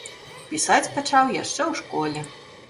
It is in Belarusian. Пісаць пачаў яшчэ ў школе.